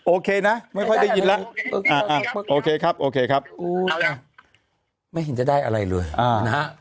โอเคนะไม่ค่อยได้ยินแล้วโอเคครับโอเคครับไม่เห็นจะได้อะไรเลยนะฮะ